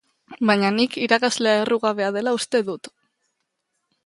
Baina nik irakaslea errugabea dela uste dut.